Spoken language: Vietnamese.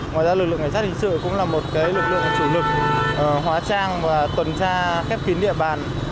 ngoài ra lực lượng cảnh sát hình sự cũng là một lực lượng chủ lực hóa trang và tuần tra khép kín địa bàn